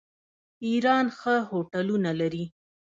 ایران ښه هوټلونه لري.